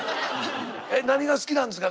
何が好きなんですか？